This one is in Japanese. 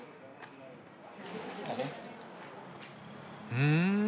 うん。